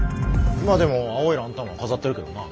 今でも青いランタンは飾ってるけどな。